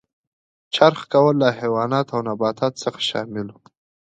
چرخ کول له حیواناتو او نباتاتو څخه شامل و.